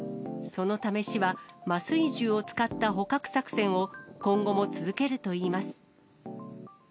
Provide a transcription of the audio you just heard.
麻酔銃を使った捕獲作戦を今後も続けるといいます。